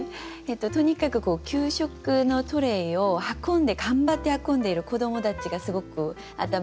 とにかく給食のトレーを運んで頑張って運んでいる子どもたちがすごく頭に浮かんできて。